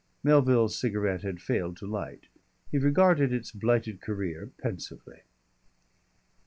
Melville's cigarette had failed to light. He regarded its blighted career pensively.